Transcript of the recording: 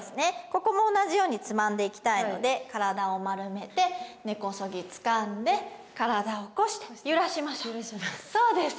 ここも同じようにつまんでいきたいので体を丸めて根こそぎつかんで体を起こして揺らしましょうそうです